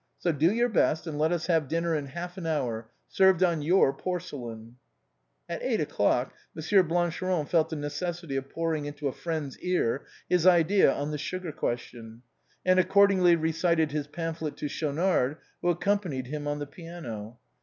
So, do your best, and let us have dinner in half an hour, served on porcelain." At eight o'clock Monsieur Blancheron felt the necessity of pouring into a friend's ear his idea on the sugar question, and accordingly recited his pamphlet to Schaunard, who accompanied him on the piano.